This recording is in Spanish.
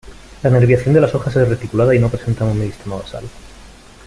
La nerviación de las hojas es reticulada y no presentan un meristema basal.